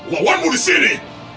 tunggulah kau disini